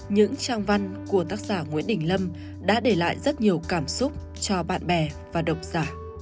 những trang văn của tác giả nguyễn đình lâm đã để lại rất nhiều cảm xúc cho bạn bè và độc giả